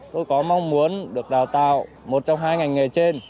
tôi có mong muốn được đào tạo một trong hai ngành nghề trên